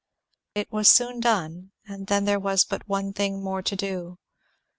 It was soon done, and then there was but one thing more to do.